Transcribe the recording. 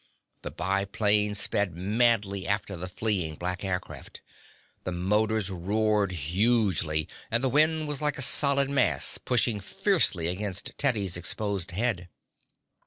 The biplane sped madly after the fleeing black aircraft. The motors roared hugely, and the wind was like a solid mass, pushing fiercely against Teddy's exposed head.